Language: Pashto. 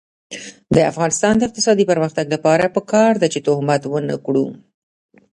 د افغانستان د اقتصادي پرمختګ لپاره پکار ده چې تهمت ونکړو.